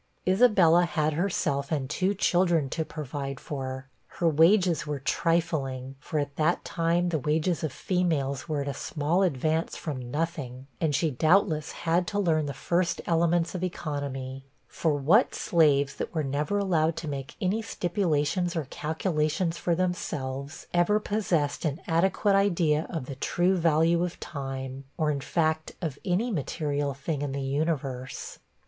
Isabella had herself and two children to provide for; her wages were trifling, for at that time the wages of females were at a small advance from nothing; and she doubtless had to learn the first elements of economy for what slaves, that were never allowed to make any stipulations or calculations for themselves, ever possessed an adequate idea of the true value of time, or, in fact, of any material thing in the universe?